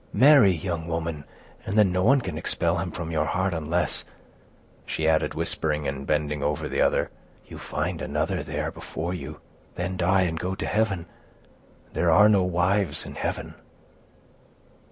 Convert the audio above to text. Marry, young woman, and then no one can expel him from your heart, unless,"—she added, whispering, and bending over the other,—"you find another there before you; then die, and go to heaven—there are no wives in heaven."